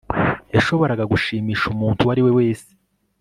Yashoboraga gushimisha umuntu uwo ari we wese